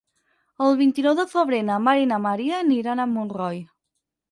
El vint-i-nou de febrer na Mar i na Maria aniran a Montroi.